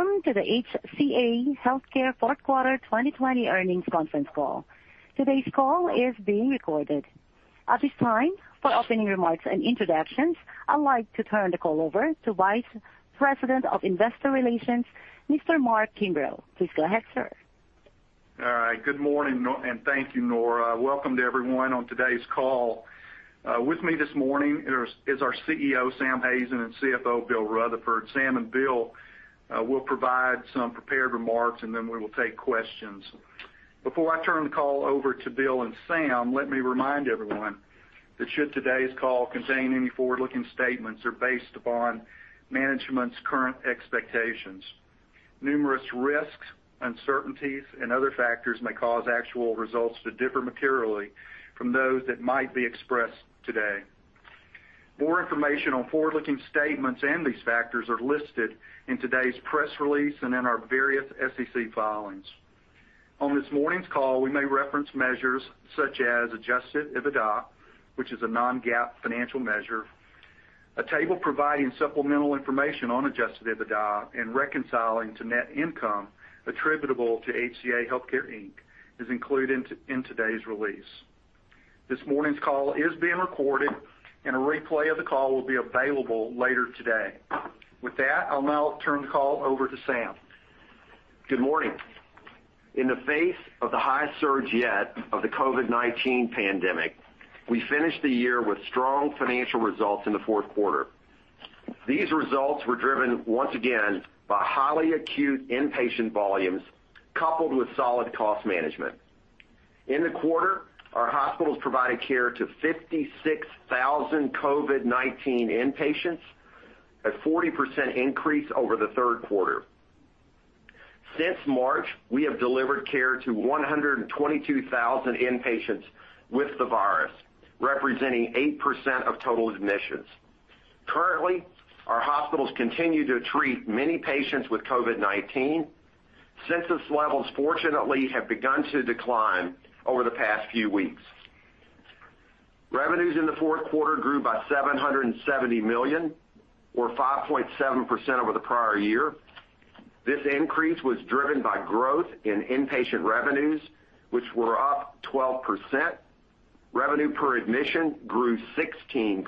Welcome to the HCA Healthcare fourth quarter 2020 earnings conference call. Today's call is being recorded. At this time, for opening remarks and introductions, I'd like to turn the call over to Vice President of Investor Relations, Mr. Mark Kimbrough. Please go ahead, sir. All right. Good morning, and thank you, Nora. Welcome to everyone on today's call. With me this morning is our CEO, Sam Hazen, and CFO, Bill Rutherford. Sam and Bill will provide some prepared remarks, and then we will take questions. Before I turn the call over to Bill and Sam, let me remind everyone that should today's call contain any forward-looking statements are based upon management's current expectations. Numerous risks, uncertainties, and other factors may cause actual results to differ materially from those that might be expressed today. More information on forward-looking statements and these factors are listed in today's press release and in our various SEC filings. On this morning's call, we may reference measures such as adjusted EBITDA, which is a non-GAAP financial measure. A table providing supplemental information on adjusted EBITDA and reconciling to net income attributable to HCA Healthcare, Inc. is included in today's release. This morning's call is being recorded, and a replay of the call will be available later today. With that, I'll now turn the call over to Sam. Good morning. In the face of the highest surge yet of the COVID-19 pandemic, we finished the year with strong financial results in the fourth quarter. These results were driven once again by highly acute inpatient volumes, coupled with solid cost management. In the quarter, our hospitals provided care to 56,000 COVID-19 inpatients, a 40% increase over the third quarter. Since March, we have delivered care to 122,000 inpatients with the virus, representing 8% of total admissions. Currently, our hospitals continue to treat many patients with COVID-19. Census levels, fortunately, have begun to decline over the past few weeks. Revenues in the fourth quarter grew by $770 million or 5.7% over the prior year. This increase was driven by growth in inpatient revenues, which were up 12%. Revenue per admission grew 16%,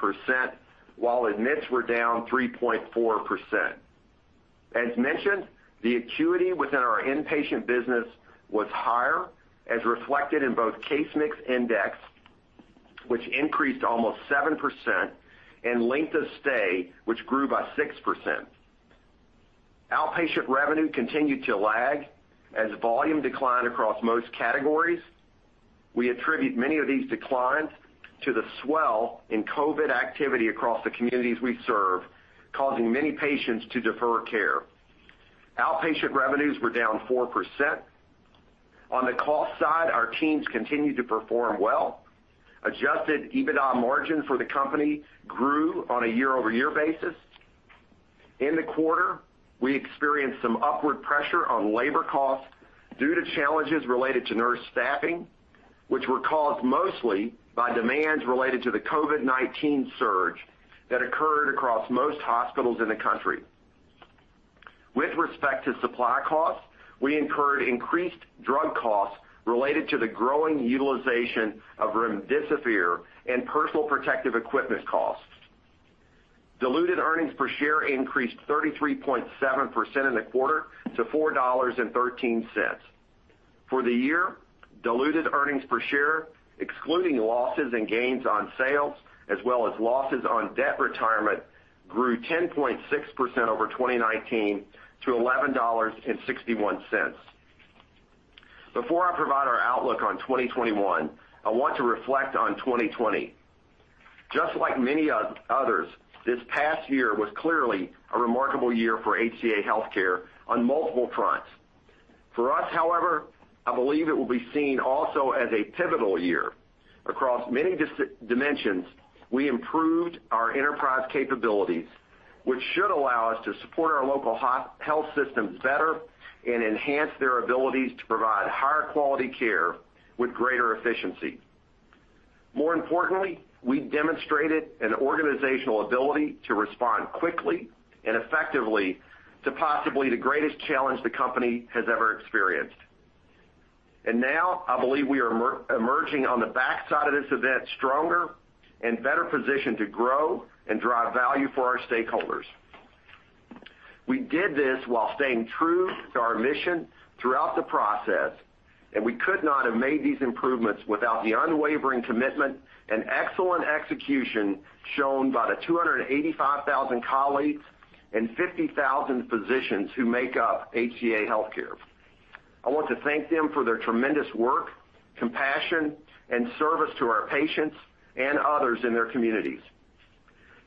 while admits were down 3.4%. As mentioned, the acuity within our inpatient business was higher, as reflected in both case mix index, which increased almost 7%, and length of stay, which grew by 6%. Outpatient revenue continued to lag as volume declined across most categories. We attribute many of these declines to the swell in COVID-19 activity across the communities we serve, causing many patients to defer care. Outpatient revenues were down 4%. On the cost side, our teams continued to perform well. Adjusted EBITDA margin for the company grew on a year-over-year basis. In the quarter, we experienced some upward pressure on labor costs due to challenges related to nurse staffing, which were caused mostly by demands related to the COVID-19 surge that occurred across most hospitals in the country. With respect to supply costs, we incurred increased drug costs related to the growing utilization of remdesivir and personal protective equipment costs. Diluted earnings per share increased 33.7% in the quarter to $4.13. For the year, diluted earnings per share, excluding losses and gains on sales, as well as losses on debt retirement, grew 10.6% over 2019 to $11.61. Before I provide our outlook on 2021, I want to reflect on 2020. Just like many others, this past year was clearly a remarkable year for HCA Healthcare on multiple fronts. For us, however, I believe it will be seen also as a pivotal year. Across many dimensions, we improved our enterprise capabilities, which should allow us to support our local health systems better and enhance their abilities to provide higher-quality care with greater efficiency. More importantly, we demonstrated an organizational ability to respond quickly and effectively to possibly the greatest challenge the company has ever experienced. Now, I believe we are emerging on the backside of this event stronger and better positioned to grow and drive value for our stakeholders. We did this while staying true to our mission throughout the process, and we could not have made these improvements without the unwavering commitment and excellent execution shown by the 285,000 colleagues and 50,000 physicians who make up HCA Healthcare. I want to thank them for their tremendous work, compassion, and service to our patients and others in their communities.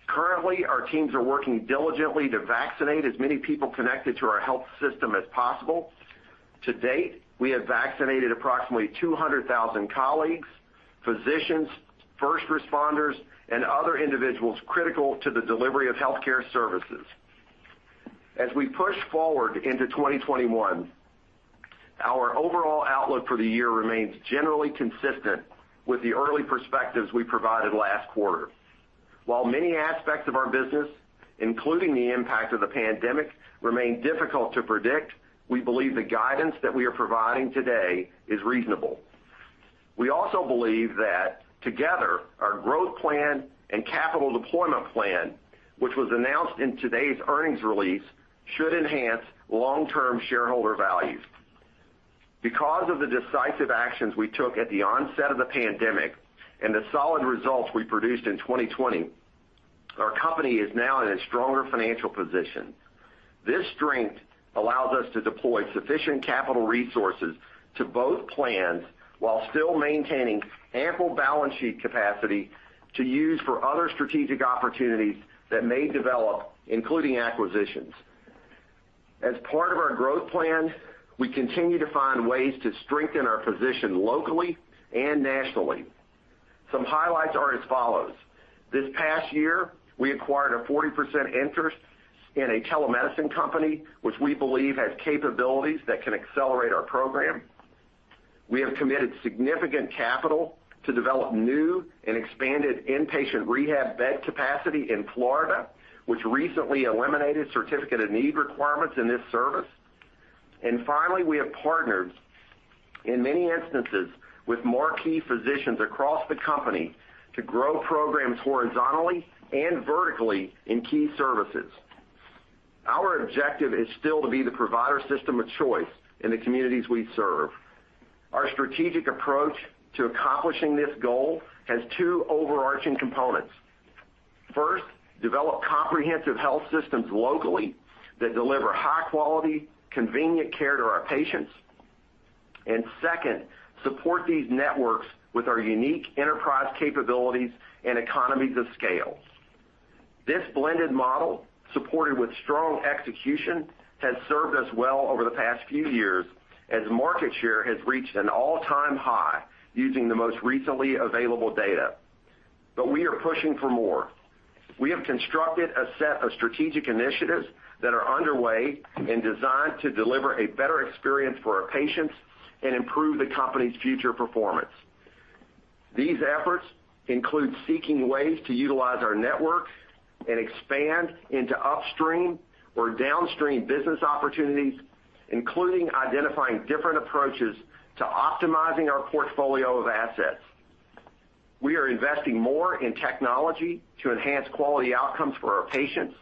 Currently, our teams are working diligently to vaccinate as many people connected to our health system as possible. To date, we have vaccinated approximately 200,000 colleagues, physicians, first responders, and other individuals critical to the delivery of healthcare services. We push forward into 2021. Our overall outlook for the year remains generally consistent with the early perspectives we provided last quarter. While many aspects of our business, including the impact of the pandemic, remain difficult to predict, we believe the guidance that we are providing today is reasonable. We also believe that together, our growth plan and capital deployment plan, which was announced in today's earnings release, should enhance long-term shareholder value. Because of the decisive actions we took at the onset of the pandemic and the solid results we produced in 2020, our company is now in a stronger financial position. This strength allows us to deploy sufficient capital resources to both plans while still maintaining ample balance sheet capacity to use for other strategic opportunities that may develop, including acquisitions. As part of our growth plan, we continue to find ways to strengthen our position locally and nationally. Some highlights are as follows. This past year, we acquired a 40% interest in a telemedicine company, which we believe has capabilities that can accelerate our program. We have committed significant capital to develop new and expanded inpatient rehab bed capacity in Florida, which recently eliminated certificate of need requirements in this service. Finally, we have partnered in many instances with more key physicians across the company to grow programs horizontally and vertically in key services. Our objective is still to be the provider system of choice in the communities we serve. Our strategic approach to accomplishing this goal has two overarching components. First, develop comprehensive health systems locally that deliver high-quality, convenient care to our patients. Second, support these networks with our unique enterprise capabilities and economies of scale. This blended model, supported with strong execution, has served us well over the past few years as market share has reached an all-time high using the most recently available data. We are pushing for more. We have constructed a set of strategic initiatives that are underway and designed to deliver a better experience for our patients and improve the company's future performance. These efforts include seeking ways to utilize our networks and expand into upstream or downstream business opportunities, including identifying different approaches to optimizing our portfolio of assets. We are investing more in technology to enhance quality outcomes for our patients,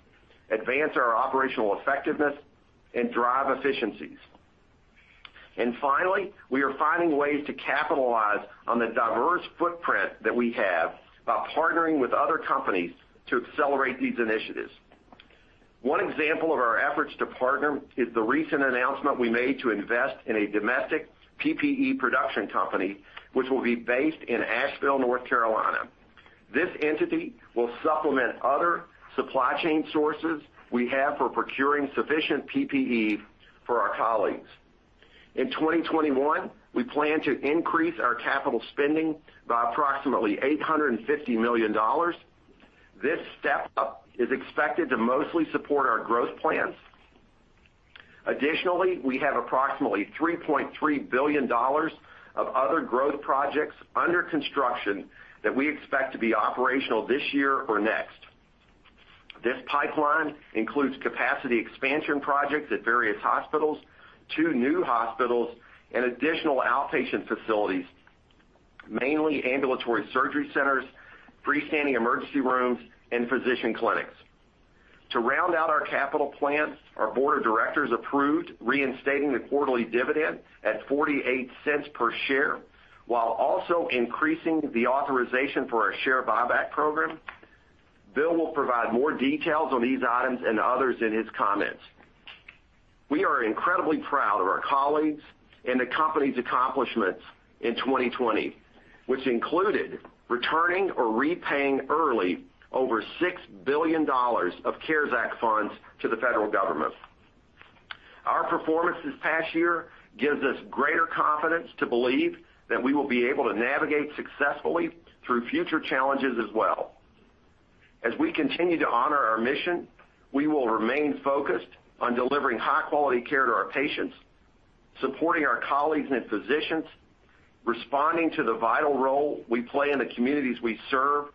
advance our operational effectiveness, and drive efficiencies. Finally, we are finding ways to capitalize on the diverse footprint that we have by partnering with other companies to accelerate these initiatives. One example of our efforts to partner is the recent announcement we made to invest in a domestic PPE production company, which will be based in Asheville, North Carolina. This entity will supplement other supply chain sources we have for procuring sufficient PPE for our colleagues. In 2021, we plan to increase our capital spending by approximately $850 million. This step-up is expected to mostly support our growth plans. Additionally, we have approximately $3.3 billion of other growth projects under construction that we expect to be operational this year or next. This pipeline includes capacity expansion projects at various hospitals, two new hospitals, and additional outpatient facilities, mainly ambulatory surgery centers, freestanding emergency rooms, and physician clinics. To round out our capital plans, our board of directors approved reinstating the quarterly dividend at $0.48 per share, while also increasing the authorization for our share buyback program. Bill will provide more details on these items and others in his comments. We are incredibly proud of our colleagues and the company's accomplishments in 2020, which included returning or repaying early over $6 billion of CARES Act funds to the federal government. Our performance this past year gives us greater confidence to believe that we will be able to navigate successfully through future challenges as well. As we continue to honor our mission, we will remain focused on delivering high-quality care to our patients, supporting our colleagues and physicians, responding to the vital role we play in the communities we serve,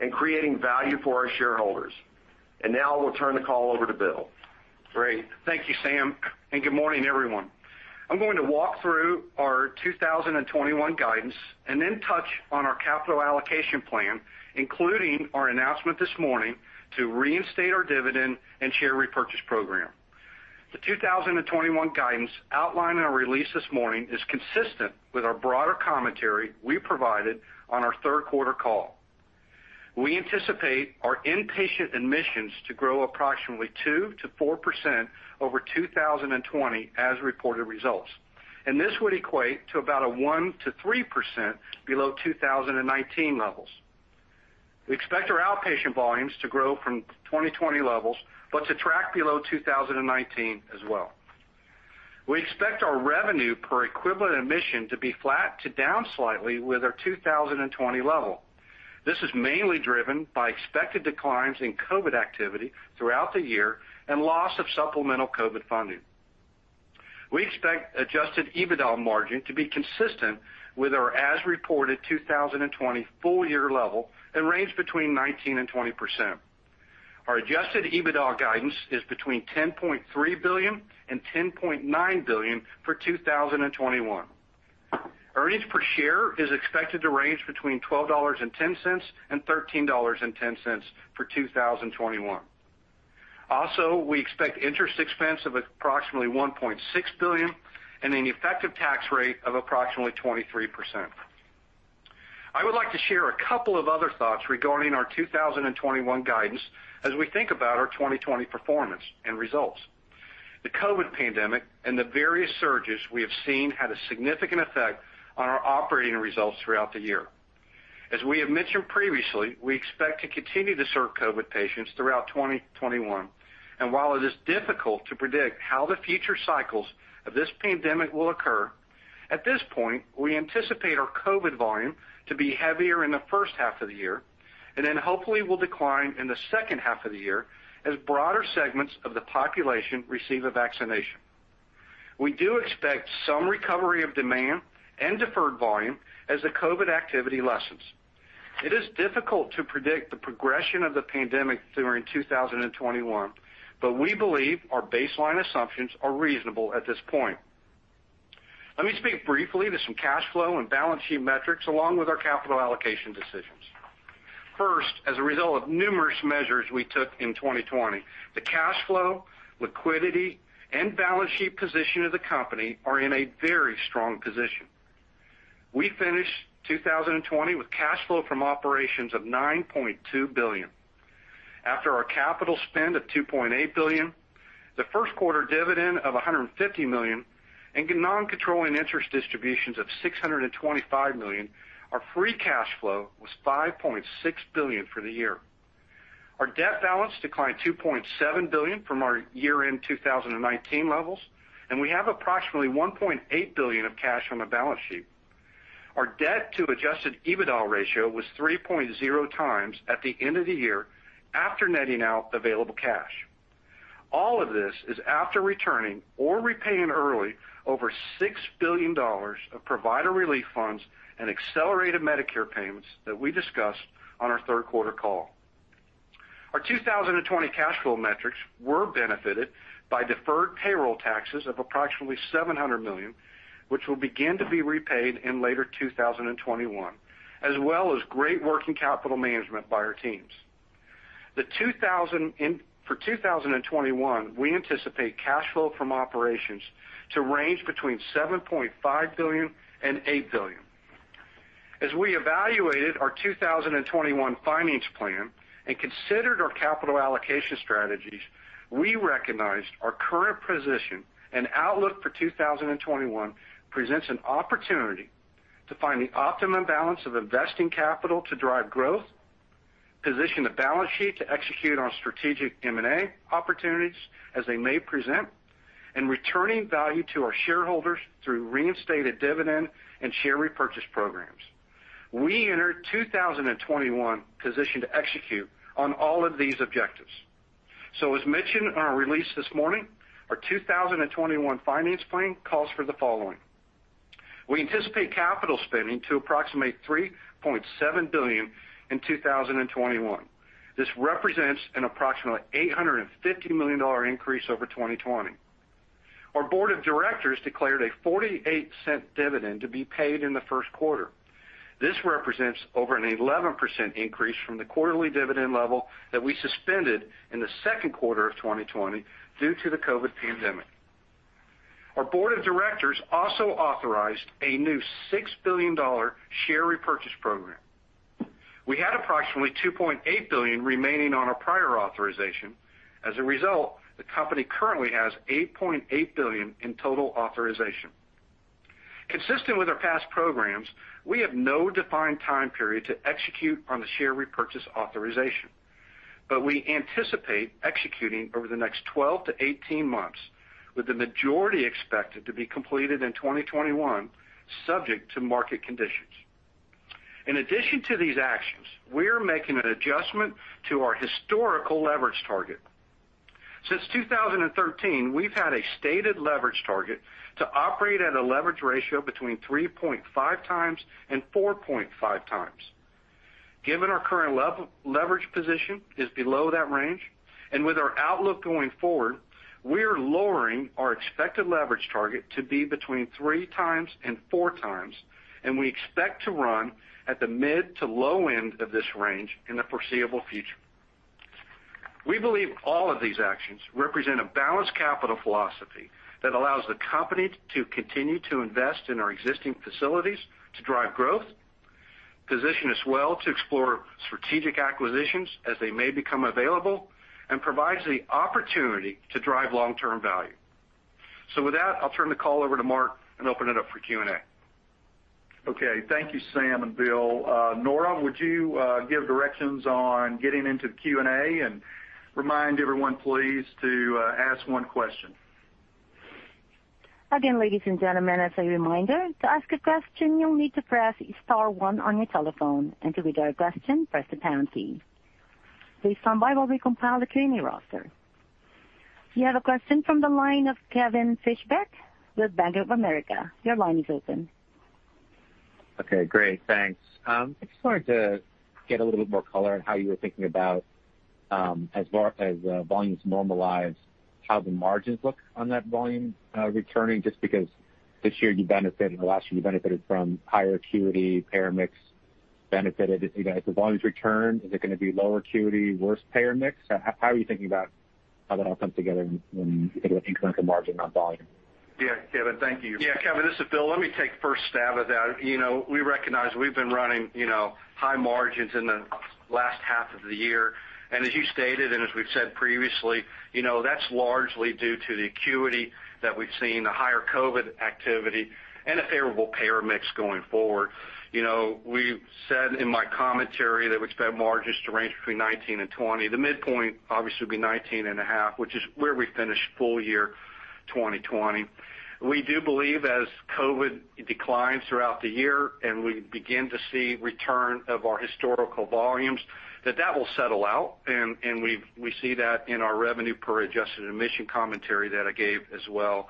and creating value for our shareholders. Now I will turn the call over to Bill. Great. Thank you, Sam. Good morning, everyone. I'm going to walk through our 2021 guidance, touch on our capital allocation plan, including our announcement this morning to reinstate our dividend and share repurchase program. The 2021 guidance outlined in our release this morning is consistent with our broader commentary we provided on our third-quarter call. We anticipate our inpatient admissions to grow approximately 2%-4% over 2020, as reported results. This would equate to about a 1%-3% below 2019 levels. We expect our outpatient volumes to grow from 2020 levels, but to track below 2019 as well. We expect our revenue per equivalent admission to be flat to down slightly with our 2020 level. This is mainly driven by expected declines in COVID-19 activity throughout the year and loss of supplemental COVID-19 funding. We expect adjusted EBITDA margin to be consistent with our as-reported 2020 full-year level and range between 19% and 20%. Our adjusted EBITDA guidance is between $10.3 billion and $10.9 billion for 2021. Earnings per share is expected to range between $12.10 and $13.10 for 2021. Also, we expect interest expense of approximately $1.6 billion and an effective tax rate of approximately 23%. I would like to share a couple of other thoughts regarding our 2021 guidance as we think about our 2020 performance and results. The COVID-19 pandemic and the various surges we have seen had a significant effect on our operating results throughout the year. As we have mentioned previously, we expect to continue to serve COVID patients throughout 2021, and while it is difficult to predict how the future cycles of this pandemic will occur, at this point, we anticipate our COVID volume to be heavier in the first half of the year, and then hopefully will decline in the second half of the year as broader segments of the population receive a vaccination. We do expect some recovery of demand and deferred volume as the COVID activity lessens. It is difficult to predict the progression of the pandemic during 2021. We believe our baseline assumptions are reasonable at this point. Let me speak briefly to some cash flow and balance sheet metrics along with our capital allocation decisions. First, as a result of numerous measures we took in 2020, the cash flow, liquidity, and balance sheet position of the company are in a very strong position. We finished 2020 with cash flow from operations of $9.2 billion. After our capital spend of $2.8 billion, the first quarter dividend of $150 million, and non-controlling interest distributions of $625 million, our free cash flow was $5.6 billion for the year. Our debt balance declined $2.7 billion from our year-end 2019 levels, and we have approximately $1.8 billion of cash on the balance sheet. Our debt-to-adjusted EBITDA ratio was 3.0 times at the end of the year after netting out available cash. All of this is after returning or repaying early over $6 billion of provider relief funds and accelerated Medicare payments that we discussed on our third quarter call. Our 2020 cash flow metrics were benefited by deferred payroll taxes of approximately $700 million, which will begin to be repaid in later 2021, as well as great working capital management by our teams. For 2021, we anticipate cash flow from operations to range between $7.5 billion and $8 billion. As we evaluated our 2021 finance plan and considered our capital allocation strategies, we recognized our current position and outlook for 2021 presents an opportunity to find the optimum balance of investing capital to drive growth, position the balance sheet to execute on strategic M&A opportunities as they may present, and returning value to our shareholders through reinstated dividend and share repurchase programs. We enter 2021 positioned to execute on all of these objectives. As mentioned in our release this morning, our 2021 finance plan calls for the following. We anticipate capital spending to approximate $3.7 billion in 2021. This represents an approximately $850 million increase over 2020. Our board of directors declared a $0.48 dividend to be paid in the first quarter. This represents over an 11% increase from the quarterly dividend level that we suspended in the second quarter of 2020 due to the COVID-19 pandemic. Our board of directors also authorized a new $6 billion share repurchase program. We had approximately $2.8 billion remaining on our prior authorization. As a result, the company currently has $8.8 billion in total authorization. Consistent with our past programs, we have no defined time period to execute on the share repurchase authorization, but we anticipate executing over the next 12-18 months, with the majority expected to be completed in 2021, subject to market conditions. In addition to these actions, we are making an adjustment to our historical leverage target. Since 2013, we've had a stated leverage target to operate at a leverage ratio between 3.5 times and 4.5 times. Given our current leverage position is below that range, and with our outlook going forward, we are lowering our expected leverage target to be between three times and four times, and we expect to run at the mid to low end of this range in the foreseeable future. We believe all of these actions represent a balanced capital philosophy that allows the company to continue to invest in our existing facilities to drive growth, position us well to explore strategic acquisitions as they may become available, and provides the opportunity to drive long-term value. With that, I'll turn the call over to Mark and open it up for Q&A. Okay. Thank you, Sam and Bill. Nora, would you give directions on getting into the Q&A and remind everyone, please to ask one question? Again, ladies and gentlemen, as a reminder, to ask a question, you'll need to press star one on your telephone, and to withdraw your question, press the pound key. uncertain, we compile the uncertain. You have a question from the line of Kevin Fischbeck with Bank of America. Your line is open. Okay, great. Thanks. I just wanted to get a little bit more color on how you were thinking about, as volumes normalize, how the margins look on that volume returning, just because this year you benefited, or last year you benefited from higher acuity, payer mix benefited. As the volumes return, is it going to be lower acuity, worse payer mix? How are you thinking about how that all comes together when you think about the margin on volume? Yeah, Kevin, thank you. Yeah, Kevin, this is Bill. Let me take first stab at that. We recognize we've been running high margins in the last half of the year. As you stated, and as we've said previously, that's largely due to the acuity that we've seen, the higher COVID activity, and a favorable payer mix going forward. We said in my commentary that we expect margins to range between 19 and 20. The midpoint obviously would be 19.5, which is where we finished full year 2020. We do believe as COVID declines throughout the year, and we begin to see return of our historical volumes, that will settle out, and we see that in our revenue per adjusted admission commentary that I gave as well.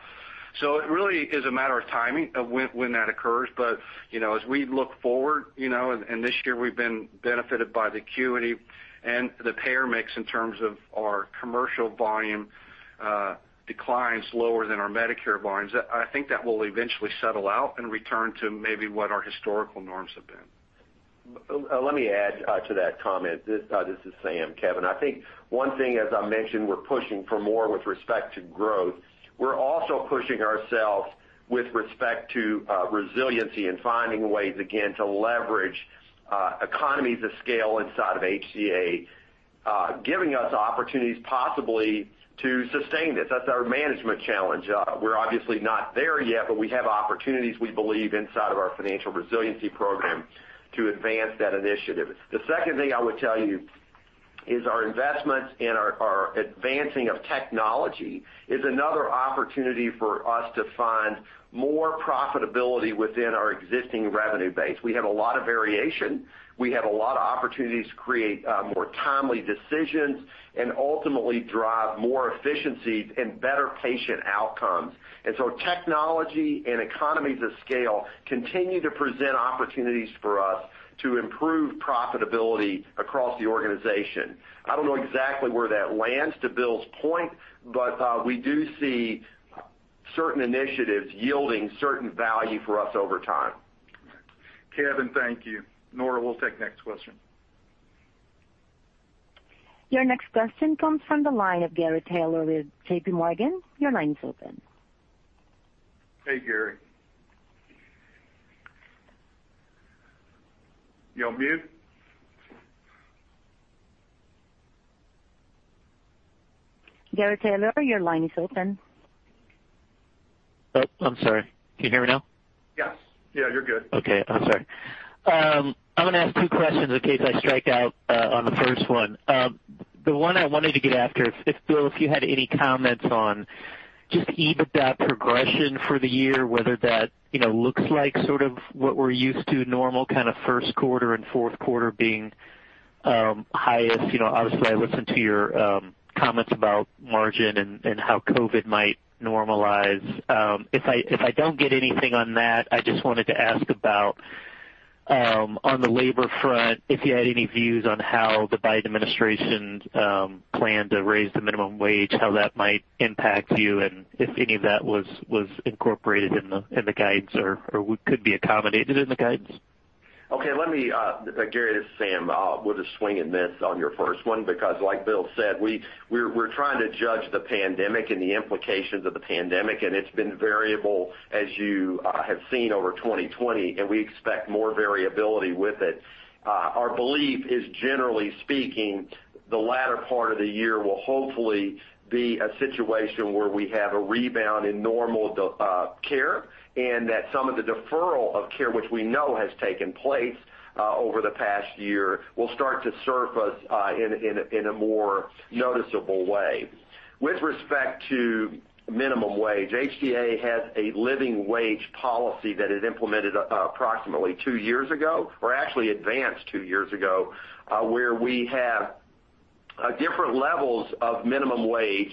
It really is a matter of timing of when that occurs. As we look forward, and this year we've been benefited by the acuity and the payer mix in terms of our commercial volume declines lower than our Medicare volumes. I think that will eventually settle out and return to maybe what our historical norms have been. Let me add to that comment. This is Sam. Kevin, I think one thing, as I mentioned, we're pushing for more with respect to growth. We're also pushing ourselves with respect to resiliency and finding ways, again, to leverage economies of scale inside of HCA Healthcare, giving us opportunities possibly to sustain this. That's our management challenge. We're obviously not there yet, but we have opportunities we believe inside of our financial resiliency program to advance that initiative. The second thing I would tell you is our investments and our advancing of technology is another opportunity for us to find more profitability within our existing revenue base. We have a lot of variation. We have a lot of opportunities to create more timely decisions and ultimately drive more efficiencies and better patient outcomes. Technology and economies of scale continue to present opportunities for us to improve profitability across the organization. I don't know exactly where that lands, to Bill's point, but we do see certain initiatives yielding certain value for us over time. Kevin, thank you. Nora, we'll take next question. Your next question comes from the line of Gary Taylor with JPMorgan. Your line is open. Hey, Gary. You're on mute? Gary Taylor, your line is open. Oh, I'm sorry. Can you hear me now? Yes. Yeah, you're good. Okay. I'm sorry. I'm going to ask two questions in case I strike out on the first one. The one I wanted to get after, if Bill, if you had any comments on just EBITDA progression for the year, whether that looks like sort of what we're used to, normal kind of first quarter and fourth quarter being highest. Obviously, I listened to your comments about margin and how COVID-19 might normalize. If I don't get anything on that, I just wanted to ask about, on the labor front, if you had any views on how the Biden administration plan to raise the minimum wage, how that might impact you, and if any of that was incorporated in the guides or could be accommodated in the guides? Okay. Gary, this is Sam. We'll just swing and miss on your first one, because like Bill said, we're trying to judge the pandemic and the implications of the pandemic, and it's been variable as you have seen over 2020, and we expect more variability with it. Our belief is, generally speaking, the latter part of the year will hopefully be a situation where we have a rebound in normal care, and that some of the deferral of care, which we know has taken place over the past year, will start to surface in a more noticeable way. With respect to minimum wage, HCA has a living wage policy that it implemented approximately two years ago, or actually advanced two years ago, where we have different levels of minimum wage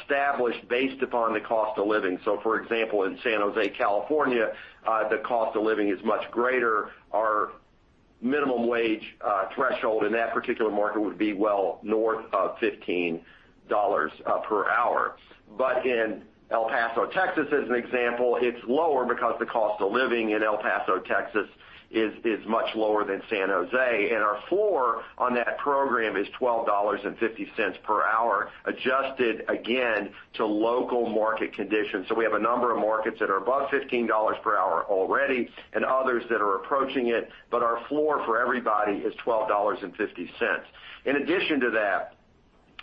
established based upon the cost of living. For example, in San Jose, California, the cost of living is much greater. Our minimum wage threshold in that particular market would be well north of $15 per hour. In El Paso, Texas, as an example, it's lower because the cost of living in El Paso, Texas, is much lower than San Jose. Our floor on that program is $12.50 per hour, adjusted, again, to local market conditions. We have a number of markets that are above $15 per hour already, and others that are approaching it, but our floor for everybody is $12.50. In addition to that,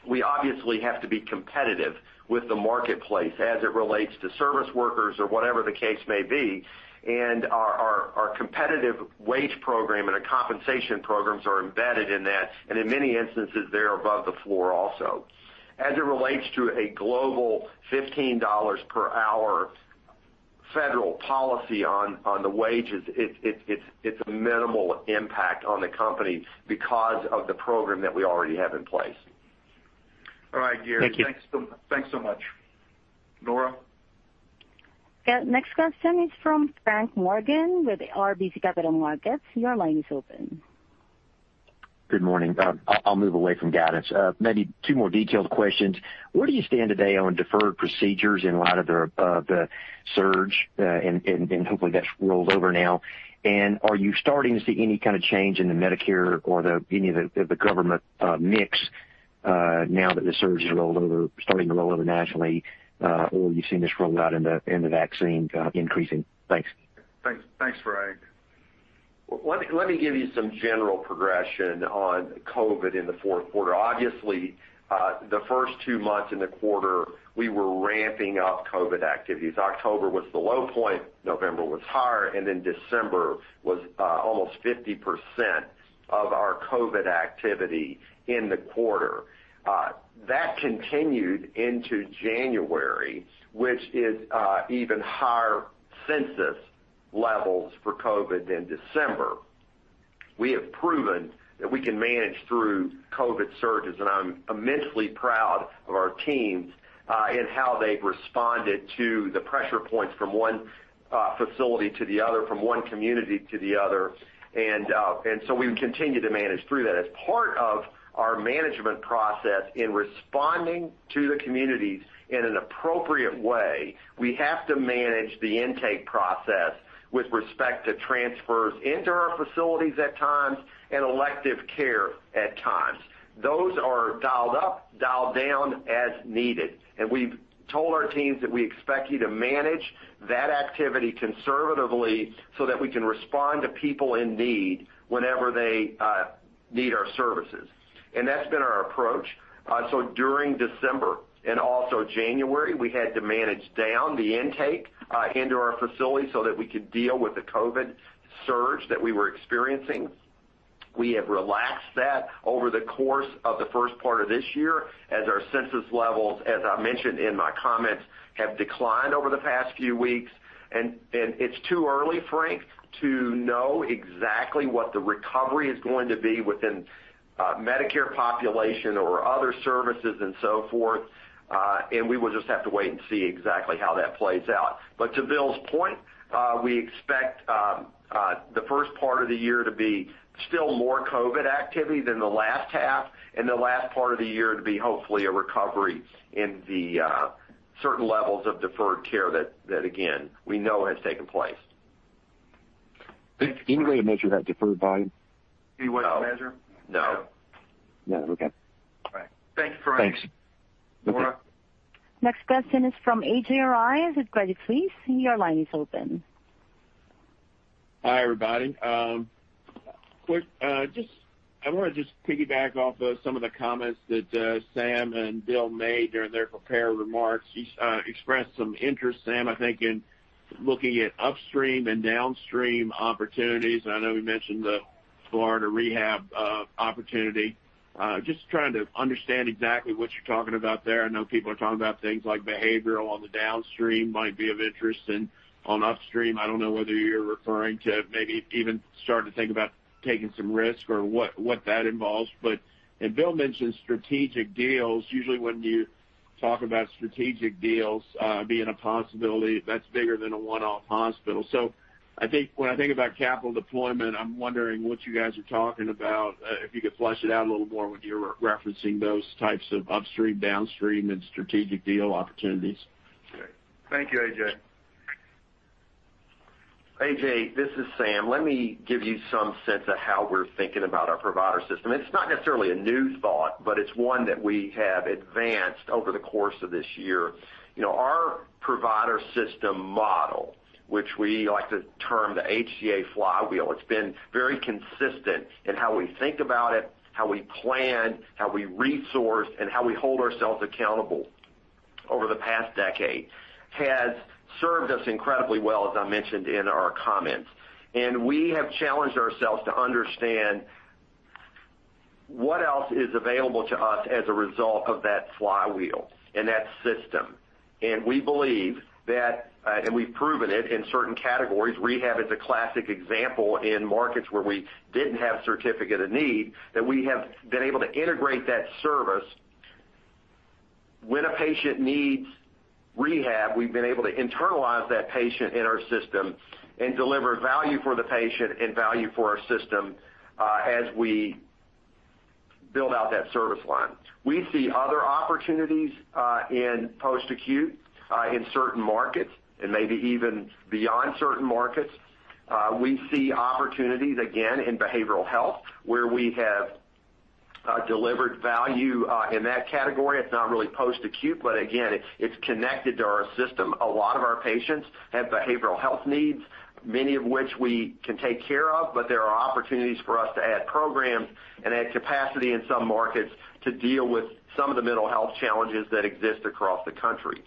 we obviously have to be competitive with the marketplace as it relates to service workers or whatever the case may be, and our competitive wage program and our compensation programs are embedded in that, and in many instances, they're above the floor also. As it relates to a global $15 per hour federal policy on the wages, it's a minimal impact on the company because of the program that we already have in place. All right, Gary, Thank you. Thanks so much. Nora? The next question is from Frank Morgan with RBC Capital Markets. Your line is open. Good morning. I'll move away from guidance. Maybe two more detailed questions. Where do you stand today on deferred procedures in light of the surge, and hopefully that's rolled over now? Are you starting to see any kind of change in the Medicare or any of the government mix now that the surge is starting to roll over nationally, or you've seen this roll out in the vaccine increasing? Thanks. Thanks, Frank. Let me give you some general progression on COVID in the fourth quarter. Obviously, the first two months in the quarter, we were ramping up COVID activities. October was the low point, November was higher. December was almost 50% of our COVID activity in the quarter. That continued into January, which is even higher census levels for COVID than December. We have proven that we can manage through COVID surges. I'm immensely proud of our teams in how they've responded to the pressure points from one facility to the other, from one community to the other. We continue to manage through that. As part of our management process in responding to the communities in an appropriate way, we have to manage the intake process with respect to transfers into our facilities at times and elective care at times. Those are dialed up, dialed down as needed. We've told our teams that we expect you to manage that activity conservatively so that we can respond to people in need whenever they need our services. That's been our approach. During December and also January, we had to manage down the intake into our facility so that we could deal with the COVID surge that we were experiencing. We have relaxed that over the course of the first part of this year, as our census levels, as I mentioned in my comments, have declined over the past few weeks. It's too early, Frank, to know exactly what the recovery is going to be within Medicare population or other services and so forth. We will just have to wait and see exactly how that plays out. To Bill's point, we expect the first part of the year to be still more COVID activity than the last half and the last part of the year to be hopefully a recovery in the certain levels of deferred care that again, we know has taken place. Any way to measure that deferred volume? Any way to measure? No. No. Okay. All right. Thanks, Frank. Thanks. Nora? Next question is from A.J. Rice with Credit Suisse. Your line is open. Hi, everybody. I want to just piggyback off of some of the comments that Sam and Bill made during their prepared remarks. You expressed some interest, Sam, I think, in looking at upstream and downstream opportunities. I know you mentioned the Florida rehab opportunity. Just trying to understand exactly what you're talking about there. I know people are talking about things like behavioral on the downstream might be of interest, and on upstream, I don't know whether you're referring to maybe even starting to think about taking some risk or what that involves. Bill mentioned strategic deals. Usually, when you talk about strategic deals being a possibility, that's bigger than a one-off hospital. I think when I think about capital deployment, I'm wondering what you guys are talking about, if you could flesh it out a little more when you're referencing those types of upstream, downstream, and strategic deal opportunities. Thank you, A.J. A.J., this is Sam. Let me give you some sense of how we're thinking about our provider system. It's not necessarily a new thought, but it's one that we have advanced over the course of this year. Our provider system model, which we like to term the HCA flywheel, it's been very consistent in how we think about it, how we plan, how we resource, and how we hold ourselves accountable over the past decade, has served us incredibly well, as I mentioned in our comments. We have challenged ourselves to understand what else is available to us as a result of that flywheel and that system. We believe that, and we've proven it in certain categories, rehab is a classic example in markets where we didn't have certificate of need, that we have been able to integrate that service. When a patient needs rehab, we've been able to internalize that patient in our system and deliver value for the patient and value for our system as we build out that service line. We see other opportunities in post-acute in certain markets and maybe even beyond certain markets. We see opportunities, again, in behavioral health, where we have delivered value in that category. It's not really post-acute, again, it's connected to our system. A lot of our patients have behavioral health needs, many of which we can take care of. There are opportunities for us to add programs and add capacity in some markets to deal with some of the mental health challenges that exist across the country.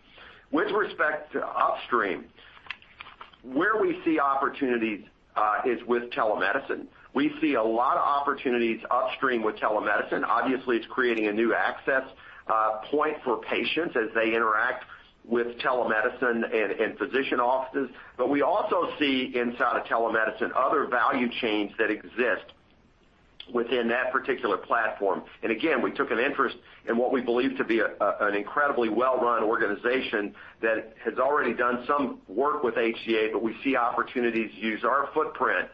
With respect to upstream. Where we see opportunities is with telemedicine. We see a lot of opportunities upstream with telemedicine. It's creating a new access point for patients as they interact with telemedicine and physician offices. We also see inside of telemedicine other value chains that exist within that particular platform. Again, we took an interest in what we believe to be an incredibly well-run organization that has already done some work with HCA, but we see opportunities to use our footprint,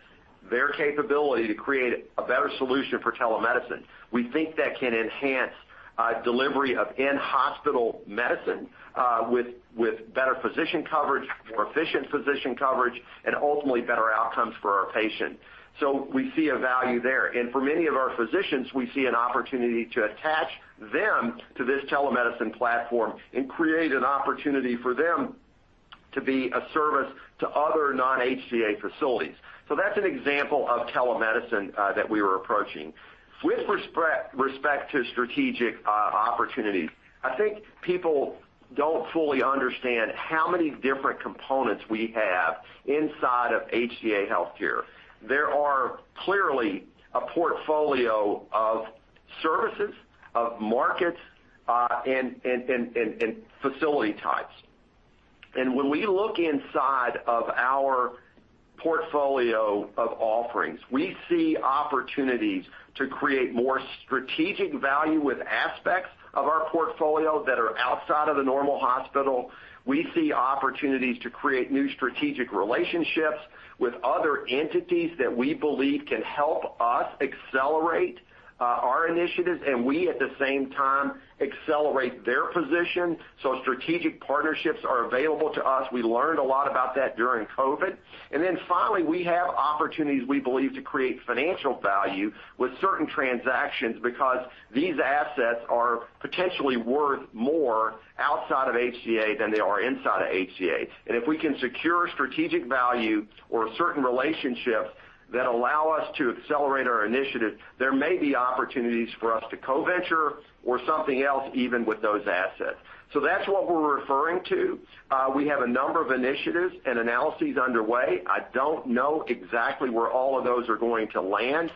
their capability to create a better solution for telemedicine. We think that can enhance delivery of in-hospital medicine, with better physician coverage, more efficient physician coverage, and ultimately better outcomes for our patients. We see a value there. For many of our physicians, we see an opportunity to attach them to this telemedicine platform and create an opportunity for them to be a service to other non-HCA facilities. That's an example of telemedicine that we were approaching. With respect to strategic opportunities, I think people don't fully understand how many different components we have inside of HCA Healthcare. There are clearly a portfolio of services, of markets, and facility types. When we look inside of our portfolio of offerings, we see opportunities to create more strategic value with aspects of our portfolio that are outside of the normal hospital. We see opportunities to create new strategic relationships with other entities that we believe can help us accelerate our initiatives, and we, at the same time, accelerate their position. Strategic partnerships are available to us. We learned a lot about that during COVID. Finally, we have opportunities, we believe, to create financial value with certain transactions because these assets are potentially worth more outside of HCA than they are inside of HCA. If we can secure strategic value or certain relationships that allow us to accelerate our initiative, there may be opportunities for us to co-venture or something else even with those assets. That's what we're referring to. We have a number of initiatives and analyses underway. I don't know exactly where all of those are going to land,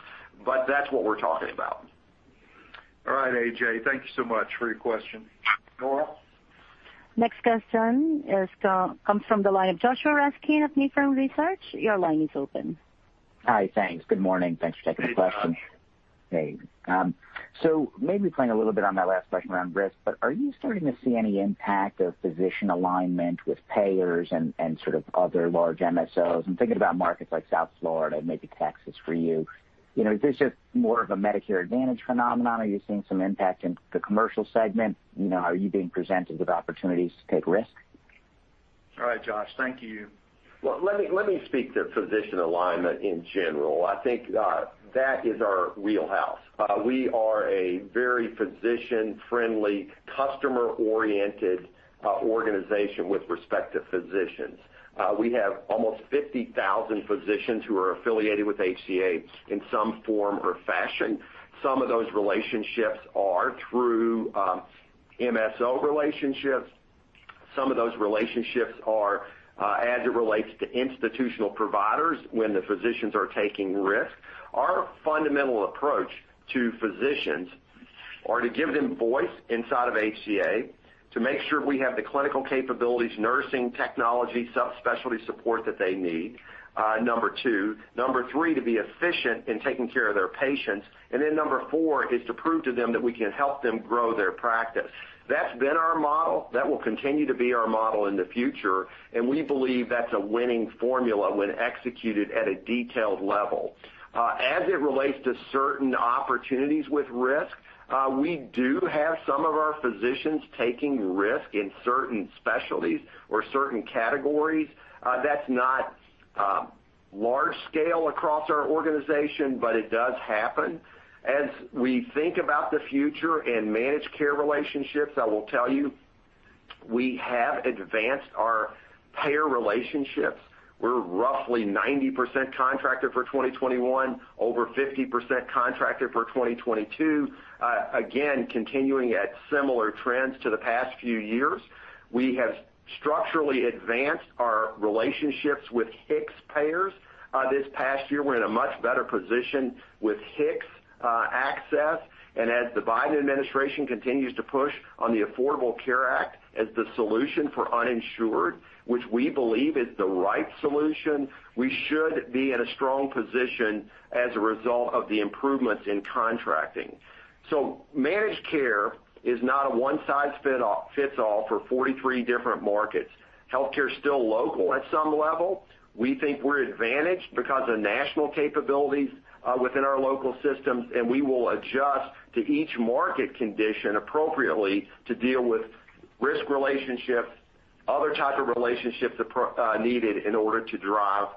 but that's what we're talking about. All right, A.J., thank you so much for your question. Nora? Next question comes from the line of Joshua Raskin of Nephron Research. Your line is open. Hi. Thanks. Good morning. Thanks for taking the question. Hey, Joshua. Hey. Maybe playing a little bit on that last question around risk, are you starting to see any impact of physician alignment with payers and sort of other large MSOs? I'm thinking about markets like South Florida and maybe Texas for you. Is this just more of a Medicare Advantage phenomenon? Are you seeing some impact in the commercial segment? Are you being presented with opportunities to take risks? All right, Joshua. Thank you. Well, let me speak to physician alignment in general. I think that is our wheelhouse. We are a very physician-friendly, customer-oriented organization with respect to physicians. We have almost 50,000 physicians who are affiliated with HCA in some form or fashion. Some of those relationships are through MSO relationships. Some of those relationships are as it relates to institutional providers when the physicians are taking risks. Our fundamental approach to physicians are to give them voice inside of HCA, to make sure we have the clinical capabilities, nursing technology, subspecialty support that they need, number two. Number three, to be efficient in taking care of their patients. Number four is to prove to them that we can help them grow their practice. That's been our model. That will continue to be our model in the future, and we believe that's a winning formula when executed at a detailed level. As it relates to certain opportunities with risk, we do have some of our physicians taking risk in certain specialties or certain categories. That's not large-scale across our organization, but it does happen. As we think about the future in managed care relationships, I will tell you, we have advanced our payer relationships. We're roughly 90% contracted for 2021, over 50% contracted for 2022. Again, continuing at similar trends to the past few years. We have structurally advanced our relationships with HIX payers this past year. We're in a much better position with HIX access. As the Biden administration continues to push on the Affordable Care Act as the solution for uninsured, which we believe is the right solution, we should be in a strong position as a result of the improvements in contracting. Managed care is not a one-size-fits-all for 43 different markets. Healthcare is still local at some level. We think we're advantaged because of national capabilities within our local systems, and we will adjust to each market condition appropriately to deal with risk relationships, other types of relationships needed in order to drive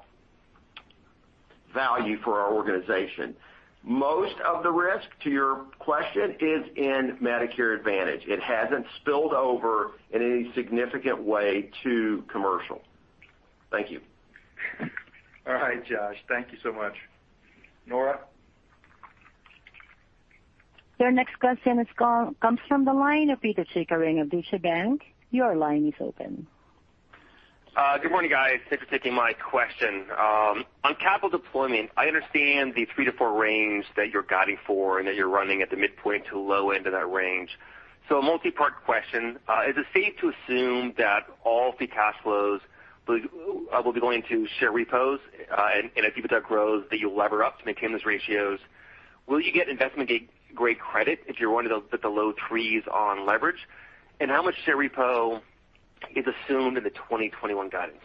value for our organization. Most of the risk, to your question, is in Medicare Advantage. It hasn't spilled over in any significant way to commercial. Thank you. All right, Joshua. Thank you so much. Nora? Your next question comes from the line of Pito Chickering of Deutsche Bank. Your line is open. Good morning, guys. Thanks for taking my question. On capital deployment, I understand the three to four range that you're guiding for and that you're running at the midpoint to low end of that range. A multi-part question. Is it safe to assume that all free cash flows will be going to share repos, and as EBITDA grows, that you lever up to maintain those ratios? Will you get investment-grade credit if you're one of the low threes on leverage? How much share repo is assumed in the 2021 guidance?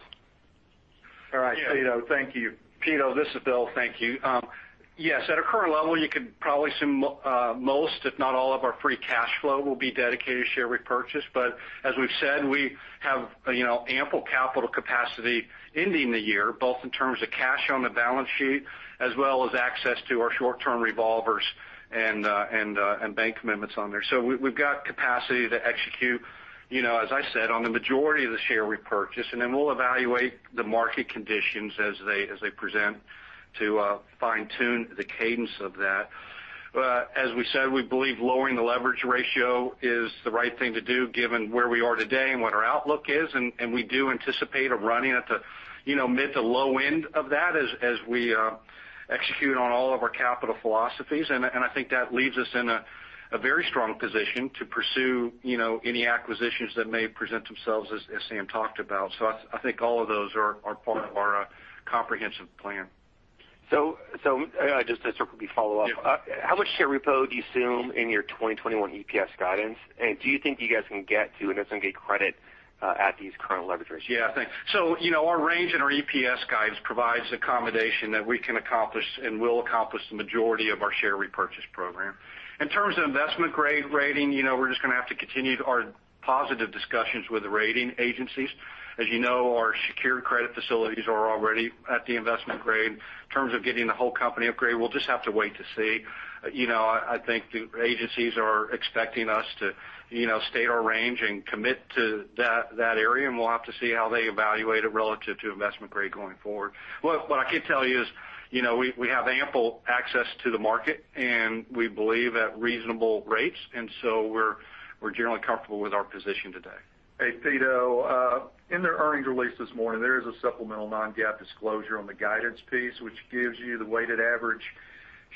All right, Pito. Thank you. Pito, this is Bill. Thank you. Yes, at our current level, you could probably assume most, if not all of our free cash flow will be dedicated to share repurchase. As we've said, we have ample capital capacity ending the year, both in terms of cash on the balance sheet as well as access to our short-term revolvers and bank commitments on there. We've got capacity to execute, as I said, on the majority of the share repurchase, and then we'll evaluate the market conditions as they present to fine-tune the cadence of that. As we said, we believe lowering the leverage ratio is the right thing to do given where we are today and what our outlook is, and we do anticipate of running at the mid to low end of that as we execute on all of our capital philosophies. I think that leaves us in a very strong position to pursue any acquisitions that may present themselves as Sam talked about. I think all of those are part of our comprehensive plan. Just to quickly follow up. Yeah. How much share repo do you assume in your 2021 EPS guidance? Do you think you guys can get to investment-grade credit at these current leverage ratios? Yeah, thanks. Our range and our EPS guidance provides accommodation that we can accomplish and will accomplish the majority of our share repurchase program. In terms of investment-grade rating, we're just going to have to continue our positive discussions with the rating agencies. As you know, our secured credit facilities are already at the investment grade. In terms of getting the whole company upgrade, we'll just have to wait to see. I think the agencies are expecting us to state our range and commit to that area, and we'll have to see how they evaluate it relative to investment grade going forward. What I can tell you is we have ample access to the market, and we believe at reasonable rates, and so we're generally comfortable with our position today. Hey, Pito, in the earnings release this morning, there is a supplemental non-GAAP disclosure on the guidance piece, which gives you the weighted average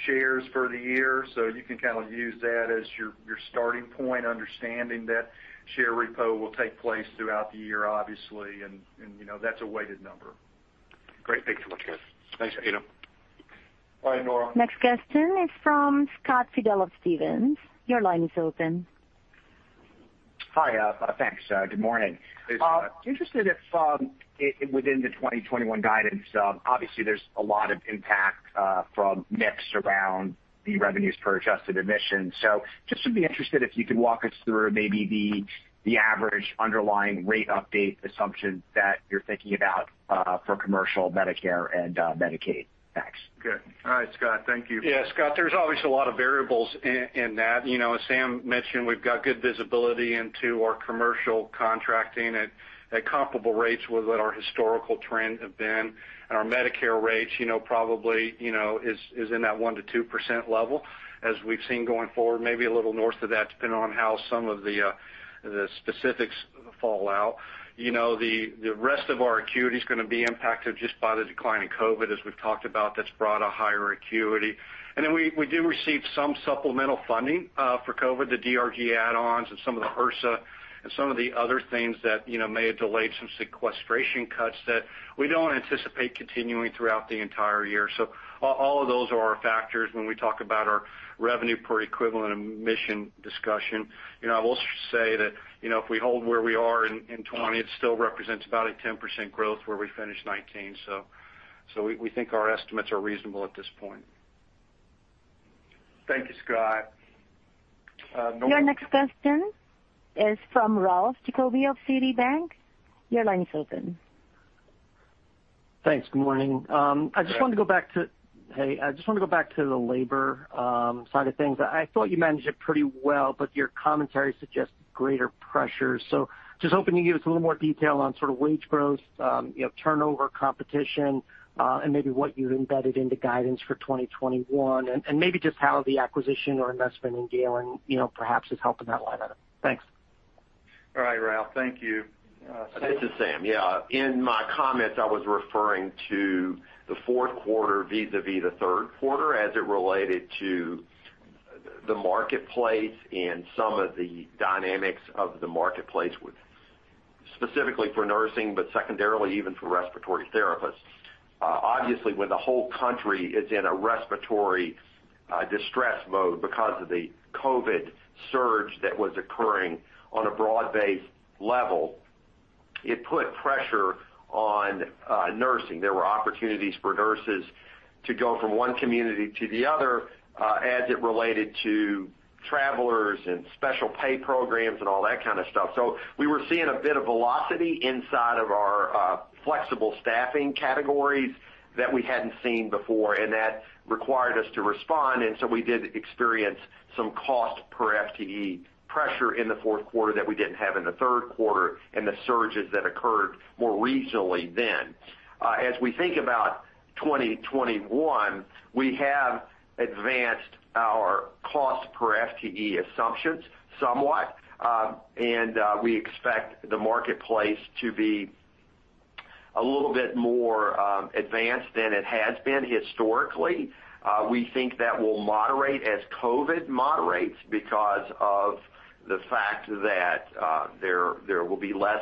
shares for the year. You can kind of use that as your starting point, understanding that share repo will take place throughout the year, obviously, and that's a weighted number. Great. Thanks so much, guys. Thanks, Pito. All right, Nora. Next question is from Scott Fidel of Stephens. Your line is open. Hi. Thanks. Good morning. Hey, Scott. Interested if within the 2021 guidance, obviously, there's a lot of impact from mix around the revenues per adjusted admission. Just would be interested if you could walk us through maybe the average underlying rate update assumption that you're thinking about for commercial Medicare and Medicaid. Thanks. Good. All right, Scott, thank you. Yeah, Scott, there's obviously a lot of variables in that. As Sam mentioned, we've got good visibility into our commercial contracting at comparable rates with what our historical trends have been. Our Medicare rates probably is in that 1%-2% level. As we've seen going forward, maybe a little north of that, depending on how some of the specifics fall out. The rest of our acuity is going to be impacted just by the decline in COVID, as we've talked about, that's brought a higher acuity. We do receive some supplemental funding for COVID, the DRG add-ons and some of the HRSA and some of the other things that may have delayed some sequestration cuts that we don't anticipate continuing throughout the entire year. All of those are our factors when we talk about our revenue per equivalent admission discussion. I will say that if we hold where we are in 2020, it still represents about a 10% growth where we finished 2019. We think our estimates are reasonable at this point. Thank you, Scott. Nora. Your next question is from Ralph Giacobbe of Citigroup. Your line is open. Thanks. Good morning. Hi. Hey. I just want to go back to the labor side of things. I thought you managed it pretty well, but your commentary suggests greater pressure. Just hoping you give us a little more detail on sort of wage growth, turnover competition, and maybe what you've embedded into guidance for 2021, and maybe just how the acquisition or investment in Galen perhaps is helping that line item. Thanks. All right, Ralph. Thank you. This is Sam. Yeah. In my comments, I was referring to the fourth quarter the third quarter as it related to the marketplace and some of the dynamics of the marketplace, specifically for nursing, but secondarily, even for respiratory therapists. Obviously, when the whole country is in a respiratory distress mode because of the COVID surge that was occurring on a broad-based level, it put pressure on nursing. There were opportunities for nurses to go from one community to the other as it related to travelers and special pay programs and all that kind of stuff. We were seeing a bit of velocity inside of our flexible staffing categories that we hadn't seen before, and that required us to respond, and so we did experience some cost per FTE pressure in the fourth quarter that we didn't have in the third quarter, and the surges that occurred more regionally then. As we think about 2021, we have advanced our cost per FTE assumptions somewhat, and we expect the marketplace to be A little bit more advanced than it has been historically. We think that will moderate as COVID moderates because of the fact that there will be less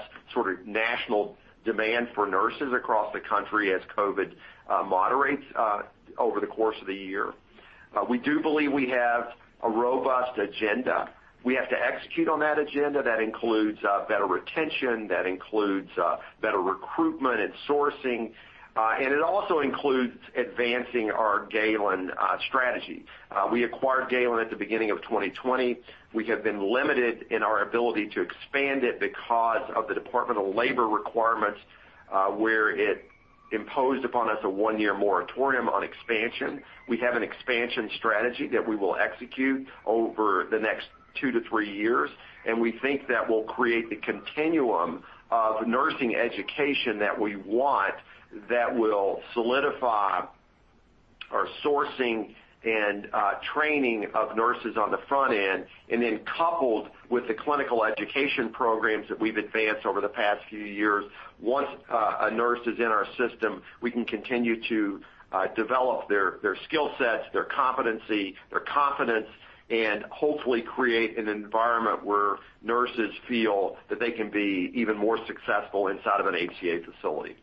national demand for nurses across the country as COVID moderates over the course of the year. We do believe we have a robust agenda. We have to execute on that agenda. That includes better retention, that includes better recruitment and sourcing, and it also includes advancing our Galen strategy. We acquired Galen at the beginning of 2020. We have been limited in our ability to expand it because of the Department of Labor requirements, where it imposed upon us a one-year moratorium on expansion. We have an expansion strategy that we will execute over the next two to three years, and we think that will create the continuum of nursing education that we want, that will solidify our sourcing and training of nurses on the front end. Coupled with the clinical education programs that we've advanced over the past few years, once a nurse is in our system, we can continue to develop their skill sets, their competency, their confidence, and hopefully create an environment where nurses feel that they can be even more successful inside of an HCA facility.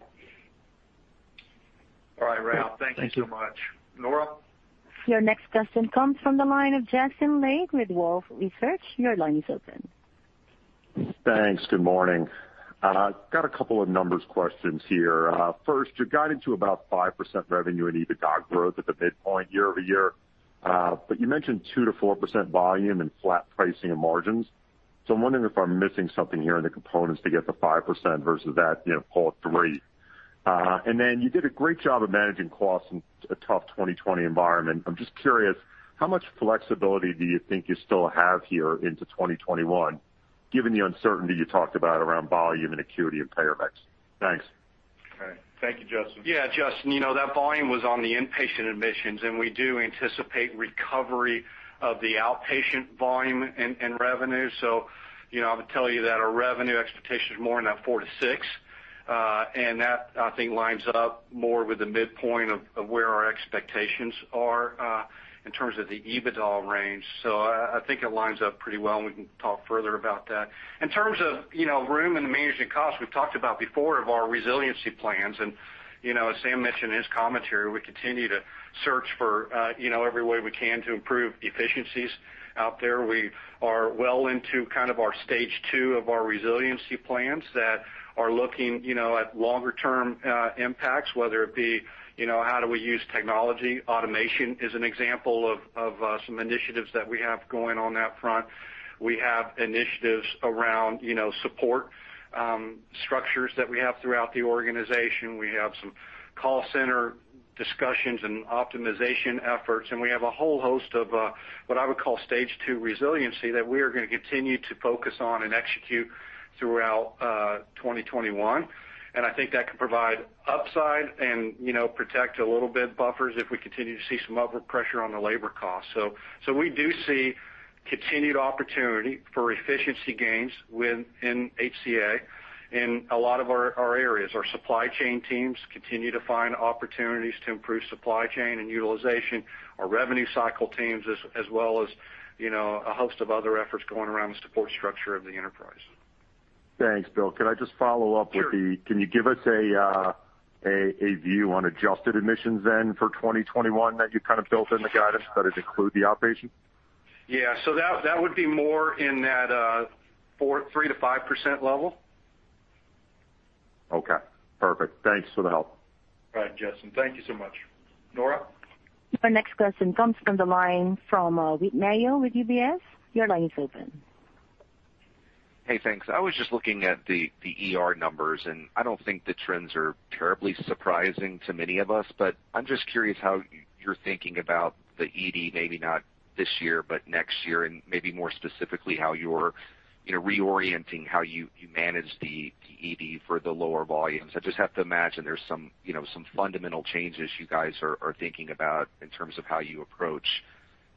All right, Ralph. Thank you. Thank you so much. Nora? Your next question comes from the line of Justin Lake with Wolfe Research. Your line is open. Thanks. Good morning. I've got a couple of numbers questions here. First, you guided to about 5% revenue and EBITDA growth at the midpoint year-over-year. You mentioned 2%-4% volume and flat pricing and margins. I'm wondering if I'm missing something here in the components to get to 5% versus that call it 3%. Then you did a great job of managing costs in a tough 2020 environment. I'm just curious, how much flexibility do you think you still have here into 2021, given the uncertainty you talked about around volume and acuity, and payer mix? Thanks. Okay. Thank you, Justin. Justin, that volume was on the inpatient admissions, and we do anticipate recovery of the outpatient volume and revenue. I would tell you that our revenue expectation is more in that 4%-6%. That, I think, lines up more with the midpoint of where our expectations are, in terms of the EBITDA range. I think it lines up pretty well, and we can talk further about that. In terms of room and managing costs, we've talked about before of our resiliency plans. As Sam mentioned in his commentary, we continue to search for every way we can to improve efficiencies out there. We are well into our stage two of our resiliency plans that are looking at longer-term impacts, whether it be how do we use technology. Automation is an example of some initiatives that we have going on that front. We have initiatives around support structures that we have throughout the organization. We have some call center discussions and optimization efforts. We have a whole host of what I would call stage two resiliency that we are going to continue to focus on and execute throughout 2021. I think that can provide upside and protect a little bit buffers if we continue to see some upward pressure on the labor cost. We do see continued opportunity for efficiency gains within HCA Healthcare in a lot of our areas. Our supply chain teams continue to find opportunities to improve supply chain and utilization, our revenue cycle teams, as well as a host of other efforts going around the support structure of the enterprise. Thanks, Bill. Could I just follow up? Sure. Can you give us a view on adjusted admissions then for 2021 that you built in the guidance? Does it include the outpatient? Yeah. That would be more in that 3%-5% level. Okay, perfect. Thanks for the help. All right, Justin, thank you so much. Nora? Your next question comes from the line from Whit Mayo with UBS. Your line is open. Hey, thanks. I was just looking at the ER numbers. I don't think the trends are terribly surprising to many of us. I'm just curious how you're thinking about the ED, maybe not this year, but next year, maybe more specifically, how you're reorienting how you manage the ED for the lower volumes. I just have to imagine there's some fundamental changes you guys are thinking about in terms of how you approach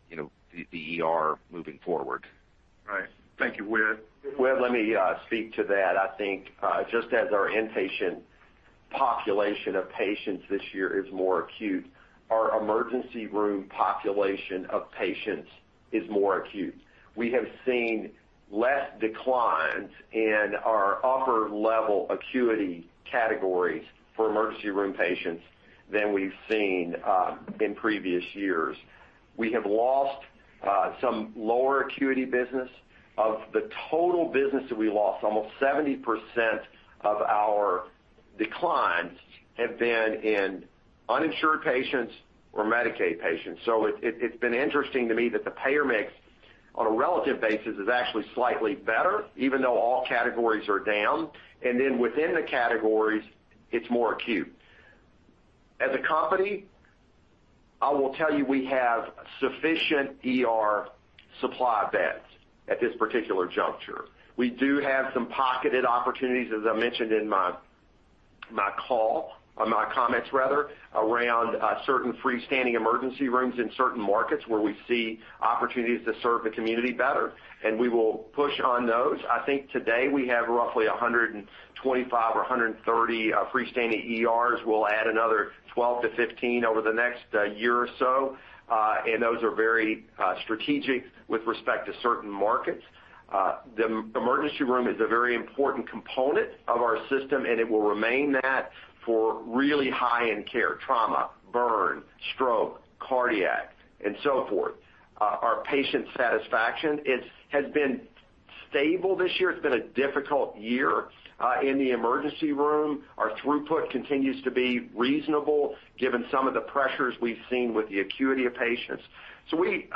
the ER moving forward. Right. Thank you, Whit. Whit, let me speak to that. I think, just as our inpatient population of patients this year is more acute, our emergency room population of patients is more acute. We have seen less declines in our upper-level acuity categories for emergency room patients than we've seen in previous years. We have lost some lower acuity business. Of the total business that we lost, almost 70% of our declines have been in uninsured patients or Medicaid patients. It's been interesting to me that the payer mix, on a relative basis, is actually slightly better, even though all categories are down. Within the categories, it's more acute. As a company, I will tell you we have sufficient ER supply beds at this particular juncture. We do have some pocketed opportunities, as I mentioned in my comments rather around certain freestanding emergency rooms in certain markets where we see opportunities to serve the community better, and we will push on those. I think today we have roughly 125 or 130 freestanding ERs. We'll add another 12 to 15 over the next year or so. Those are very strategic with respect to certain markets. The emergency room is a very important component of our system, and it will remain that for really high-end care, trauma, burn, stroke, cardiac, and so forth. Our patient satisfaction has been stable this year. It's been a difficult year in the emergency room. Our throughput continues to be reasonable given some of the pressures we've seen with the acuity of patients. We